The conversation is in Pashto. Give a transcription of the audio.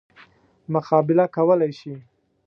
مقابله کولای شي.